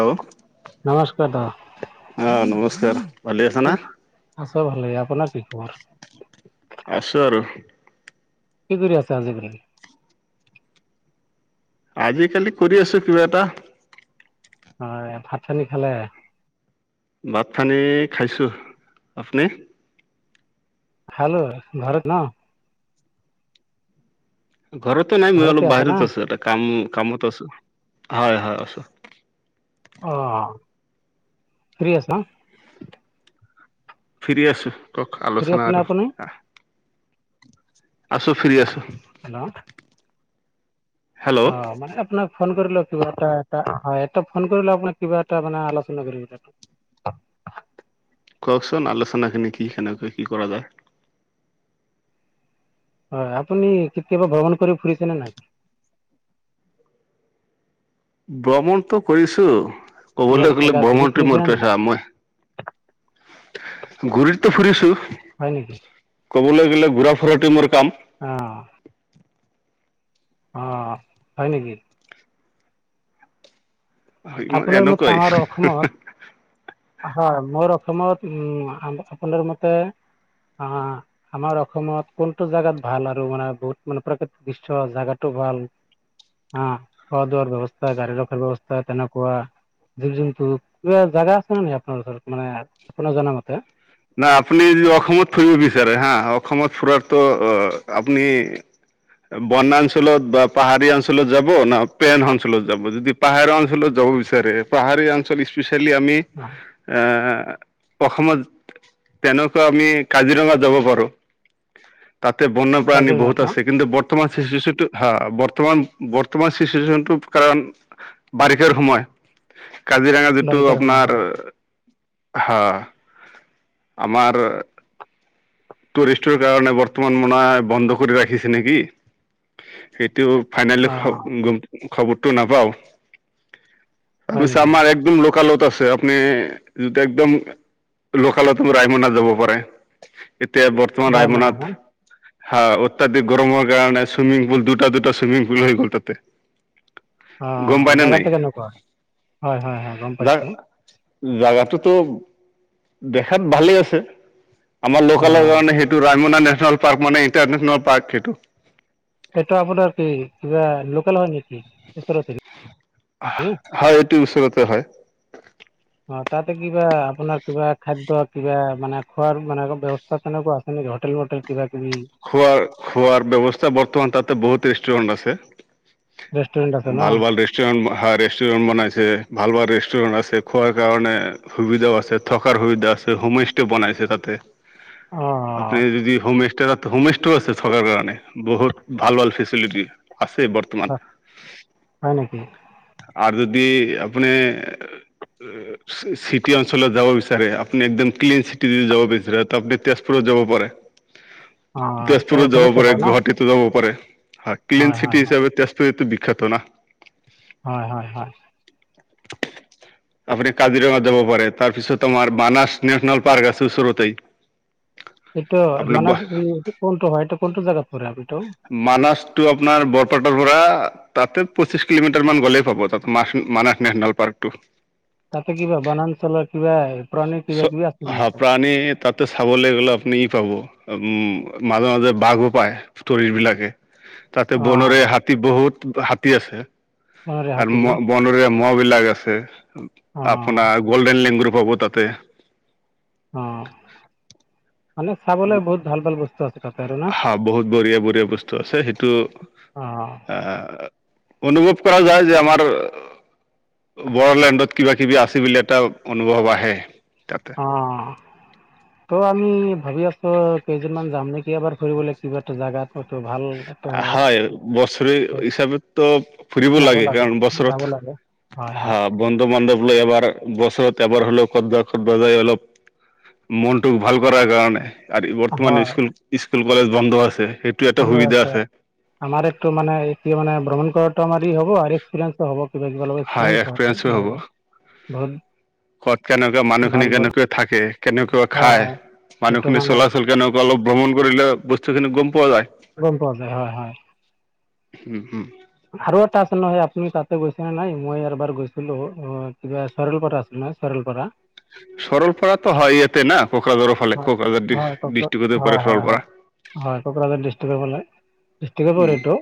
Hello নমস্কাৰ দাদা। অ নমস্কাৰ ভালে আছা না আছ ভাল আপোনাৰ কি খবৰ? আছো আৰু কি কৰি আছে আজি কৰি আজিকালি কৰি আছো কিবা এটা হয় ভাত পানী খালে? ভাত, পানি খাইছোঁ। আপুনি? খালোঁ ঘৰত ন? ঘৰতো নাই মই ঘৰতে অলপ আছে না বাহিৰত আছো। এটা কাম কামত আছো হয় হয় আছো অ ফ্ৰী আছা। ফ্ৰী আছো কক ফ্ৰী আছে আলোচনা ন আৰু আপুনি আহ আছো ফ্ৰী আছো হেল্ল' হেল্ল' অ মানে আপোনাক ফোন কৰিলে কিবা এটা এ হয় এটা ফোন কৰিলে আপোনাক কিবা এটা মানে আলোচনা কৰি অ কওকচোন আলোচনাখিনি কি সেনেকে কি কৰা যায়। হয় আপুনি কেতিয়াবা ভ্ৰমণ কৰি ফুৰিছেনে নাই? ভ্ৰমণটো কৰিছো কোনোবা কবলৈ গলে জাগাত ঘূৰি ভ্ৰমণটো ফুৰিছে নে মোৰ নাই প্ৰেছা মই ঘুৰিটো ফুৰিছো হয় নেকি? ঘোৰা ফুৰাটোৱে মোৰ কাম। অহ অ হয় নেকি? ইমান আপোনাৰ মতে আমাৰ এনেকুৱাই অসমত হয় বৰ অসম অসমত উ আপোনাৰ মতে অ আমাৰ অসমত কোনটো জেগাত ভাল আৰু মানে বহুত মানে প্ৰাকৃতিক দৃশ্য জেগাতো ভাল হ খোৱা দোৱাৰ ব্যৱস্থা গাড়ী ৰখাৰ ব্যৱস্থা তেনে কোৱা যোনটো কিবা জেগা আছে নে কি আপোনাৰ ওচৰত মানে আপোনাৰ জনা মতে নাই আপুনি যদি অসমত ফুৰিব বিচাৰে হা অসমত ফুৰাৰতো আপুনি বনাঞ্চলত বা পাহাৰীয়া অঞ্চলত যাব ন প্লেন অঞ্চলত যাব যদি পাহাৰীয়া অঞ্চলত যাব বিচাৰে পাহাৰীয়া অঞ্চলত স্পেচিয়েলি আমি এ অসমত তেনেকোৱা আমি কাজিৰঙা যাব পাৰো। তাতে বন্য প্ৰাণী কাজিৰঙাত বহুত ন আছে কিন্তু। তোমাৰ চিটুৱেশ্যনটো ভাল বৰ্তমান বৰ্তমান চিটুৱেশ্যনটো কাৰণ বাৰিষাৰ সময় [inaudible] কাজিৰঙা যিটো বাৰিষাৰ সময় আপোনাৰ হয় হ আমাৰ টুৰিষ্টৰ কাৰণে বৰ্তমান মানাই বন্ধ কৰি ৰাখিছে নেকি সেই টো ফাইনেল অ খবৰটো নাপাও। হয় পিছে নেকি আমাৰ একদিন লোকেল'ত আছে। আপুনি যিটো একদম লোকালত ৰায়মনা যাব পাৰে। এতিয়া বৰ্তমান ৰায় ৰায়মনা না মনাত। হা অত্যাধিক গৰমৰ কাৰণে চুইমিং পুল দুটা দুটা চুইমিং পুল হৈ গ'ল তাতে অ গম পাই নে নাই জাগাতে কেনেকোৱা হয় হয় হয় গম পাইছো। জেগাটোতো দেখাত ভালেই আছে আমাৰ অ লোকেলৰ কাৰণে সেইটো ৰা নেশ্যনেল পাৰ্ক মানে ইণ্টাৰনেশ্যনেল পাৰ্ক সেইটো এইটো আপোনাৰ কি কিবা লোকেল হয় নেকি ওচৰতে নকি হয় এইটো ওচৰতে হয়। অ তাতে কিবা আপোনাৰ কিবা খাদ্য কিবা মানে খোৱাৰ মানে ব্যৱস্থা তেনেকোৱা আছে নেকি হোটেল বোটেল কিবা। কিবি খোৱা খোৱাৰ ব্যৱস্থা বৰ্তমান তাতে বহুত ৰেষ্টুৰেণ্ট আছে। ৰেষ্টুৰেণ্ট আছে ন ভাল ভাল ৰেষ্টুৰেণ্ট হা ৰেষ্টুৰেণ্ট বনাইছে ভাল ভাল ৰেষ্টুৰেণ্ট আছে খোৱাৰ কাৰণে সুবিধাও আছে থকাৰ সুবিধা আছে হোমষ্টে বনাইছে তাতে অ আপুনি যদি হোমষ্টেত হোমষ্টেও আছে থকাৰ কাৰণে বহুত ভাল ভাল ফেচিলিটি। আছে বৰ্তমান। হয় নেকি আৰু যদি আপুনি- চিটি অঞ্চলত যাব বিচাৰে? আপুনি একদম ক্লিন চিটি দি যাব বিচাৰে ত আপুনি তেজপুৰ যাব পাৰে। অ। এইটো তেজপুৰত যাব শুনোতে পাৰে। হয় ন গুৱাহাটীতো যাব পাৰে। হা হয় ক্লিন হয় চিটি হয় হিচাপে তেজপুৰেতো বি খ্যাতো না হয়, হয়, হয়। আপুনি কাজিৰঙাত যাব পাৰে। তাৰপিছত তোমাৰ মানাচ নেচনেল পাৰ্ক আছে ওচৰতেই। এইটো আপোনাৰ ব মানচটো কোনটো হয়? এটো কোনটো জাগাত মানছটো আপোনাৰ বৰপেটাৰ পৰা তাতে পঁচিছ কিলোমিটাৰ মান গ'লেই পাব। তাত ম মানচ নেশ্যনেল পাৰ্কটো। তাতে কিবা বনাঞ্চলৰ কিবা প্ৰাণী কিবা কিবি আছে হ নেকি তাত প্ৰাণী তাতে চাবলৈ গ'লে আপুনি ই পাব উম, মাজে-মাজে বাঘো পায়, ষ্টৰী বিলাকে। তাতে অ বনৰীয়া হাতী বহুত হাতী আছে অ আৰু ৰেহাতি ম ন বনৰীয়া মহ বিলাক আছে। অ আপোনাৰ গ'ল্ডেন লেংগুৰো পাব তাতে। অ, মানে চাবলৈ বহুত ভাল ভাল বস্তু আছে। তাতে আৰু না হা বহুত বঢ়িয়া বঢ়িয়া বস্তু আছে সেইটো অ আহ। অনুভৱ কৰা যায় যে আমাৰ বড়োলেণ্ডত কিবা-কিবি আছে বুলি এটা অনুভৱ আহে। তাতে। অ, ত' আমি ভাবি আছো কেইজনমান যাম নেক কেতিয়াবা ফুৰিবলে কিবা এটা জাগাত ভাল এটা হয়, বছৰে হিচাপেতো ফুৰিব যাব লাগে। কাৰণ বছৰত যাব লাগে হয় হা, হয় বন্ধু বান্ধৱ লৈ এবাৰ বছৰত এবাৰ হলেও ক'ত য কত ব যাই অলপ মনটো ভাল কৰাৰ কাৰণে। আৰু বৰ্তমান হয় স্কুল-স্কুল, কলেজ বন্ধ আছে সেইটো এটা সুবিধা আছে। আমাৰ এইটো মানে এয়া মানে ভ্ৰমণ কৰাটো আমাৰ ই হব আৰু এক্সপিৰিয়েন্ঞ্চটো হ'ব। [unintelligible] হয় এক্সপিৰিয়েঞ্চো এক্স হ'ব [unintelligible] ক'ত কেনেকুৱা ভাল মানুহখিনি, ভাল কেনেকৈ থাকে, কেনেকুৱা হয় খায় হয় সেইটো মানুহখিনি মানে চলাচল কেনেকুৱা, অলপ ভ্ৰমণ কৰিলে বস্তুখিনি গম পোৱা যায়। গম পোৱা হয়, হয়। হুম, হুম। আৰু এটা আছে নহয়। তুমি তাতে গৈছা নে নাই? মই এৰবাৰ গৈছিলো। অ কিবা চৰেল পৰা আছিল ন চৰেল পৰা। চৰলপাৰাটো হয় ইয়াতে না। কোকৰাঝাৰৰ ফালে হয় কোকৰাঝাৰ দিছ হয় ককৰা দিষ্ট্ৰিকতে হয় পৰে হয় হয় চৰলপাৰা। ষ্টে কৰেটো।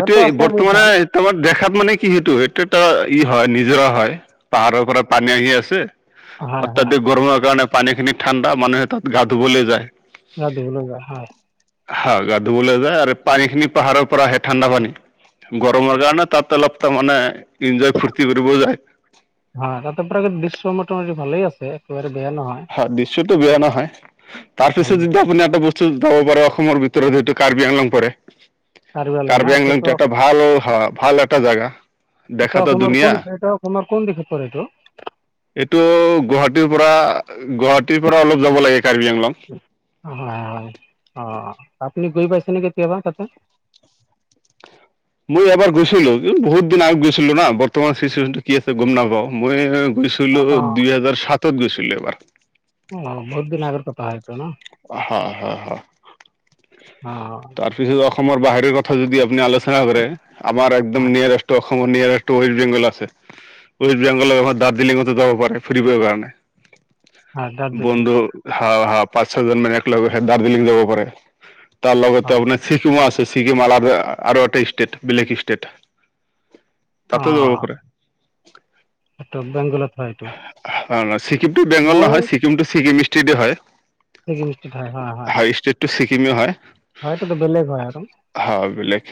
এইটোই বৰ্তমানে তমাৰ দেখাত মানে কি সেইটো, এইটো এটা ই হয় নিজৰা হয়। পাহাৰৰ পৰা পানী আহি আছে। হয় হয় অত্যাধিক গৰমৰ কাৰণে পানী খিনি ঠাণ্ডা মানুহে তাত গা ধুবলে যায়। [unintelligible] হয় হা গা ধুবলৈ যায় আৰু পানী খিনি পাহাৰৰ পৰা আহে ঠাণ্ডা পানী। গৰমৰ কাৰণে তাত অলপ তাৰ মানে এঞ্জয় ফূৰ্তি কৰিবও যায়। হয়, তাতে প্ৰাকৃতিক দৃশ্য মোটামুটি ভালে আছে একে হয়, দৃশ্যটো বেয়া নহয়। তাৰ ভালে পিছত যদি আছে আপুনি এটা বস্তু যাব পাৰে, অসমৰ ভিতৰত এইটো কাৰ্বি আংলং পৰে। আংলং না কাৰ্বি এইটোতো আংলংটো এটা ভাল হয়, ভাল এটা জাগা। এটো দেখাতো অসমৰ ধুনীয়া কোন এইটো অসমৰ কোন দিশে পৰে এইটো? এইটো গুৱাহাটীৰ পৰা গুৱাহাটীৰ পৰা অলপ যাব লাগে। কাৰ্বি আংলং হয়, হয়, অ। তাত তুমি গৈ পাইছা নে কেতিয়াবা তাতে মই এবাৰ গৈছিলোঁ বহুত দিন আগত গৈছিলোঁ না বৰ্তমান চিচুৱেশ্যনটো কি আছে গম নাপাওঁ মই গৈছিলো অ অ দুই হাজাৰ সাতত গৈছিলো এবাৰ অ বহুত দিন আগাৰ [unintelligible] হা হা হা অহ তাৰপিছত অসমৰ বাহিৰ কথা যদি আপুনি আলোচনা কৰে আমাৰ একদম হয় নিয়াৰেষ্ট অসমৰ নিয়াৰটো ৱেষ্ট বেংগল আছে ৱেষ্ট বেংগলৰ আমাৰ দাৰ্জিলিঙতো যাব পাৰে ফুৰিবৰ কাৰণে হয় দাৰ্জিলিং বন্ধু হা হা পাঁচ ছয়জন মানে একেলগে দাৰ্জিলিং যাব পাৰে তাৰ লগতে হয় আপোনাৰ ছিকিমো আছে। ছিকিম আৰু এটা ষ্টেট বেলেগ ষ্টেট তাতো যাব পাৰে। এটো বেংগলত হয় এইটো। অঁ ছিকিমটো বেংগল মই নহয় ছিকিমটো ছিকিম ষ্টেটেই হয়। ছিকিম ষ্টেট হয় হয় হয়। ছিকিমেই হয়। হয় এইটোতো বেলেগ হয় আৰু হয় বেলেগ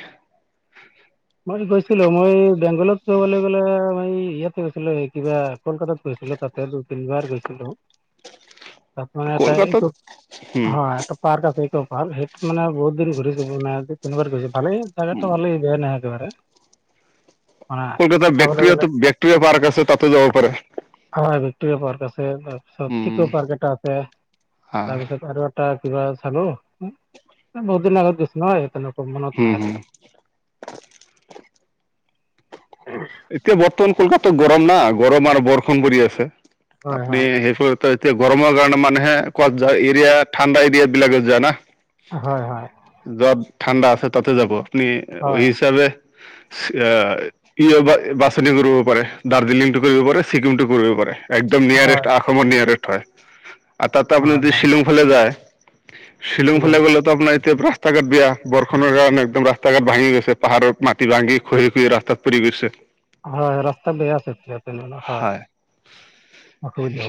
মই গৈছিলো মই বেংগলত কবলৈ গ'লে মই ইয়াতে গৈছিলো কিবা কলকাতাত গৈছিলো। ছিলো তাতে দুই-তিনিবাৰ গেছিলো। তাত মানে এটা কলকাতাত এইটো উম হয়, এটা পাৰ্ক আছে এইটো ভাল সেইটো মানে বহুত দিন ঘূৰিছে। দুই তিনিবাৰ ঘূৰিছে ভালেই জাগাটো ভালেই, বেয়া নহয়। [unintelligible] কলকাতাৰ চাবলৈ গ'লে বেক্টেৰিয়াটো বেক্টেৰিয়া পাৰ্ক আছে তাতে যাব পাৰে হয় বেক্টেৰিয়া পাৰ্ক আছে, তাৰপিছত উম চিখৰ পাৰ্ক এটা আছে, হা তাৰপিছত আৰু এটা কিবা চালো বহুত দিনৰ আগত গৈছোঁ নহয় সেইপিন মনত হম নাই আৰু হম এতিয়া বৰ্তমান কলকাতাত গৰম না গৰম আৰু বৰষষণ পৰি আছে হয় আপুনি হয় সেইফালে এতিয়া গৰমৰ কাৰণে মানুহে কত যায়। এৰিয়া ঠাণ্ডা এৰিয়া বিলাকত যায় না? হয় হয়। য'ত ঠাণ্ডা আছে তাতে যাব আপুনি হয় হিচাপে আঁহ ই বাছনি কৰিব পাৰে দাৰ্জিলিংটো কৰিব পাৰে ছিকিমটো কৰিব পাৰে। একদম নিয়াৰেষ্ট হয় অসমৰ নিয়াৰেষ্ট হয়। আৰু তাতে আপুনি হয় যদি হয় শ্বিলং ফালে যায় শ্বিলিং শ্বিলং ফালে গ'লেতো আপোনাৰ এতিয়া ৰাস্তা ঘাট বেয়া বৰষুণৰ কাৰণে একদম ৰাস্তা ঘাট ভাঙি গৈছে পাহাৰৰ মাটি ভাঙি খহি খহি ৰাস্তাত পৰি গৈছে। হয় ৰাস্তা বেয়া আছে এতিয়াও। হয় অসুবিধা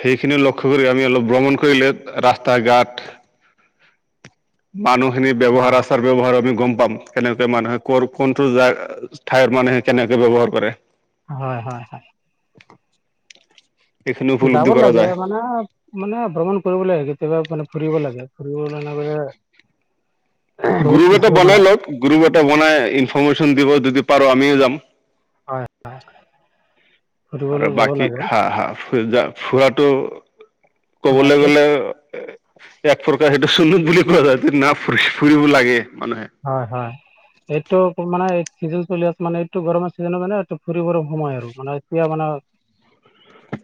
সেইখিনি ল কৰি আমি অলপ ভ্ৰমণ কৰিলে ৰাস্তা ঘাট মানুহখিনি হ'ব অ ব্যৱহাৰ আচাৰ ব্যৱহাৰ আমি গম পাম কেনেকে মানুহে কৰ কোনটো ঠাইৰ মানুহে কেনেকে ব্যৱহাৰ কৰে। হয় হয় হয়। এইখিনি যাব উপলব্ধি কৰা লাগে যায় মানে মানে ভ্ৰমণ কৰিব লাগে কেতিয়াবা মানে ফুৰিব লাগে। ফুৰিবলৈ [unintelligible] গ্ৰুপ এটা কিছু বনাই মানে লওক গ্ৰুপ এটা বনাই ইনফৰৰ্মেশ্যন দিব যদি পাৰো আমিও যাম। হয় হয়। আৰু বাকি হা হা। ফুৰাটো মানে ক'বলৈ এই গ'লে এক প্ৰকাৰ সেইটো চুনুক বুলি কোৱা যায়। না ফুৰিব লাগে মানুহে হয় হয় এইটো মানে চিজন চলি আছে মানে এইটো গৰমৰ চিজনৰ মানে ফুৰিবলে সময় আৰু মানে এতিয়া মানে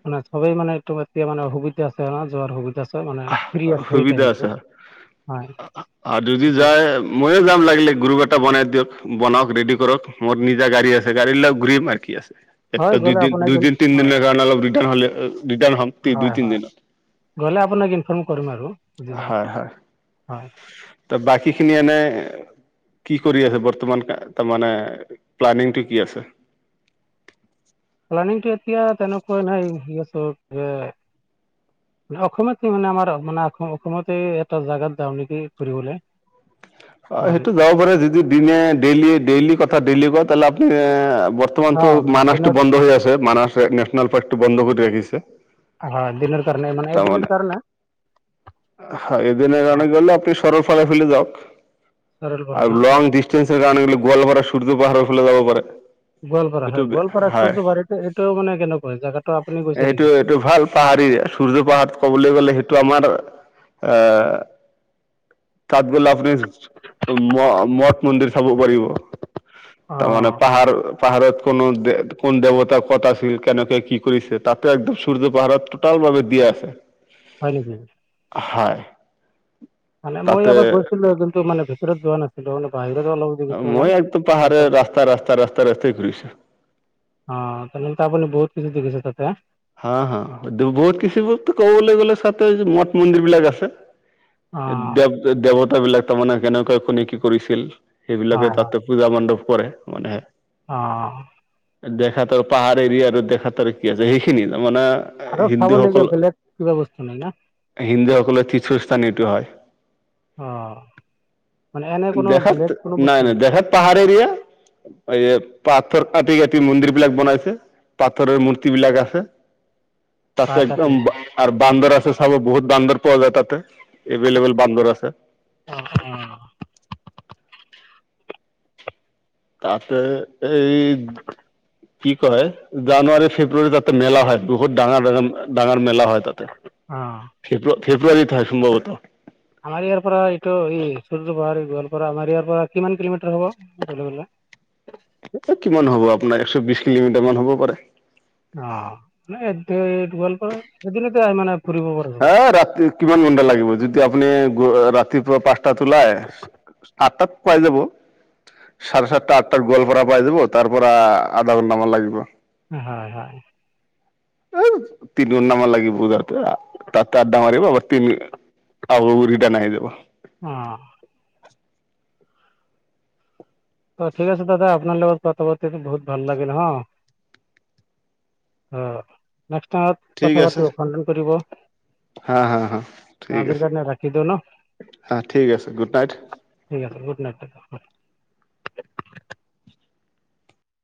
মানে সবেই মানে এতিয়া মানে সুবিধা আছে যোৱাৰ সুবিধা আছে মানে ফ্ৰী আছে সেই সুবিধা টাইমটো আছে হয় আৰু যদি এতিয়া যায় মই মইও যাম লাগিলে গ্ৰুপ এটা বনাই দিয়ক বনাওক ৰেডি কৰক মোৰ নিজা গাড়ী আছে। গাড়ী লৈ ঘূৰিম আৰু কি আছে। হয় এটা গ'লে দুইদিন আপোনাক ইন দুইদিন তিন হয় দিনৰ কাৰণে অলপ ৰিটাৰ হলে ৰিটাৰ হম দুই হয় হয় তিনদিনত। গলে আপোনাক ইনফৰ্ম কৰিম আৰু যদি হয় হয় যাওঁ। হয় ত বাকী খিনি এনেই- কি কৰি আছে বৰ্তমান ত মানে প্লানিংটো কি আছে? প্লানিংটো এতিয়া তেনেকুৱা নাই সেই আছ যে- অসমত কি মানে আমাৰ মানে অসমতে এটা জাগাত যাওঁ নেকি ফুৰিবলৈ। [unintelligible] অ আৰু সেইটো যাব পাৰে যদি দিনে ডেইলি ডেইলি কথা ডেইলি কয় এ বৰ্তমানতো হয় মানে মানছটো দিনৰ বন্ধ হৈ আছে মানছ ন্যাশনাল পাৰ্কটো বন্ধ কৰি ৰাখিছে। হয় দিনৰ কাৰনে মানে এদিনৰ কাৰনে? হয় এদিনৰ কাৰণে গলে আপনি চহৰৰ ফালে লে যাওক, চৰলপাৰা ন আৰু লং ডিচটেন্সৰ কাৰণে গলে গোৱালপাৰা চূৰ্য পাহাৰ ফালে যাব পাৰে। গোৱালপাৰা সেইটো হয় গোৱালপাৰ হয়। সূৰ্য পাহাৰত এইটো মানে কেনেকুৱা? জাগাটোত আপুনি গৈছে এইটো নেকি? এইটো ভাল সূৰ্য পাহাৰত ক'বলৈ গ'লে সেইটো তৌ আমাৰ আ তাঁত গলে আপুনি ম মঠ মন্দিৰ চাব পাৰিব, অ তাৰমানে পাহাৰ পাহাৰত কোনো কোন দেৱতাৰ ক'ত আছিল, কনেকৈ কি কৰিছে তাতে একদম সূৰ্য পাহাৰত টোটাল ভাৱে দিয়া হয় নেকি হয়। মানে মই তাতে এবাৰ গৈছিলো কিন্তু মানে ভিতৰত যোৱা নাছিলো মানে বাহিৰত অলপ দেখিছো মানে মই একদম পাহাৰৰ ৰাস্তা ৰাস্তা ৰাস্তা ৰাস্তাই ঘূৰিছো। অ তেনেহ'লেটো আপুনি বহুত [unintelligible] গৈছে তাতেই হা হা বহুত কিছু বস্তু ক'বলৈ গ'লে তাতে মঠ মন্দিৰ বিলাক আছে। অ দেৱ দেৱতা বিলাক তাৰমানে কেনেকুৱা কোনে কি কৰিছিল। সেইবিলাকে তাতে পূজা মণ্ডপ কৰে মানেহে। অঁহ। দেখাতৰ পাহাৰ এৰিয়া আৰু দেখাতৰ কি আছে সেইখিনিয়ে ন। মানে আৰু চাবলগীয়া হিন্দুসকল বেলেগ কিবা বস্তু নাই না হিন্দুসকলৰ তীৰ্থস্থান এইটো হয়। আহ। দেখাত নাই নাই দেখাত পাহাৰ এৰিয়া, এই পাথৰ কাটি কাটি মন্দিৰ বিলাক বনাইছে, পাথৰৰ মূৰ্তি বিলাক আছে। পাহাৰ তাতে কাটি একদম আৰু বান্দৰ আছে চাব বহুত বান্দৰ পোৱা যায় তাতে। এভেইলেবল বান্দৰ আছে। অ অ অ তাতে এই কি কয় জানুৱাৰী ফেব্ৰুৱাৰী তাতে মেলা হয় বহুত ডাঙৰ ডাঙৰ ডাঙৰ মেলা হয় তাতে ফে ফেব্ৰুৱাৰী হয় সম্ভৱত আমাৰ ইয়াৰ পৰা এইটো এই সূৰ্য পাহাৰ গোৱালপাৰা আমাৰ ইয়াৰ পৰা কিমান কিলোমিটাৰ হব তালৈ গ'লে? [inaudible] কিমান হ'ব আপোনাৰ এশ বিশ কিলোমিটাৰ মান হ'ব পাৰে। অহহ নাই এই গোৱালপাৰা এদিনতে মানে ফুৰিব পৰা যাব এ ৰাতি কিমান ঘণ্টা লাগিব যদি আপুনি ৰাতিপুৱা পাঁচ তাত ওলাই সাত তাত পাই যাব। চাৰে সাতটা আঠটাত গোৱালপাৰা পাই যাব, তাৰ পৰা আধা ঘণ্টা মান লাগিব। হয় হয়। তিনিঘণ্টা মান লাগিব পূজাৰ পৰা [unintelligible] আ উৰিদান আহি যাব। অ অ ঠিক আছে দাদা আপোনাৰ লগত কথা পাতি বহুত ভাল লাগিল হ। অ নেক্সট টাইম ঠিক কথা আছে পাতিম ফোন চোন কৰিব। হা হা হা ঠিক আজিৰ আছে। কাৰণে ৰাখি দিওঁ ন হা ঠিক আছে, গুড নাইট। ঠিক [inaudible]